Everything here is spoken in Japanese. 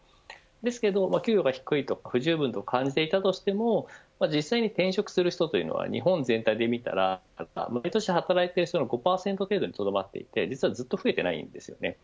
ですけれども給与が低い不十分と感じていたとしても実際に転職する人というのは日本全体で見たら毎年働いている人の５％程度にとどまっていて実はずっと増えていないんですよね。